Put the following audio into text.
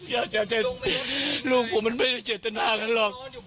อย่าเจ็ดลูกผมมันไม่จะเจ็ดตนากันหรอก